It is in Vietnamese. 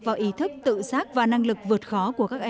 vào ý thức tự xác và năng lực vượt khó của các em